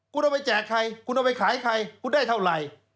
คุณเอาไปแจกใครคุณเอาไปขายให้ใครคุณได้เท่าไหร่